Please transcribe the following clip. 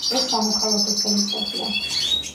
ეს სამოქალაქო წელიწადია.